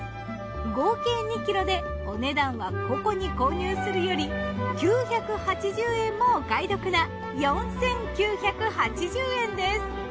合計２ｋｇでお値段は個々に購入するより９８０円もお買い得な４，９８０円です。